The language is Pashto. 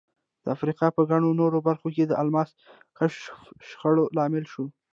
د افریقا په ګڼو نورو برخو کې د الماسو کشف شخړو لامل شو.